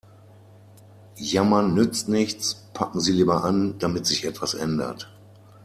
Jammern nützt nichts, packen Sie lieber an, damit sich etwas ändert.